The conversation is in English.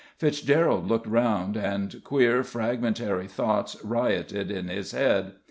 Fitzgerald looked around, and queer, fragmentary thoughts rioted in his head.